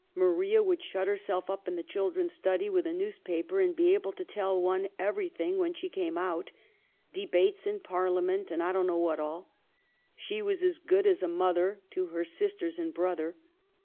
Maria would shut herself up in the children's study with a news paper and be able to tell one everything when she came out ; debates in Parliament, and I don't know what all. She was as good as a mother to her sisters and brother.